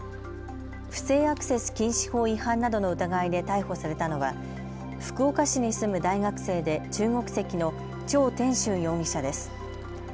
不正アクセス禁止法違反などの疑いで逮捕されたのは福岡市に住む大学生で中国籍の張天俊容疑者です。